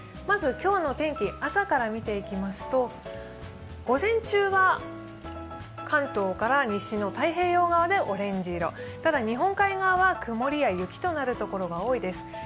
まず今日の天気、朝から見ていきますと午前中は関東から西の太平洋側でオレンジ色ただ、日本海側は曇りや雪となるところが多いです。